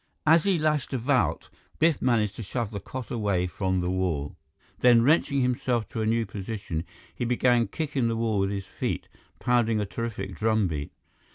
As he lashed about, Biff managed to shove the cot away from the wall. Then, wrenching himself to a new position, he began kicking the wall with his feet, pounding a terrific drum beat.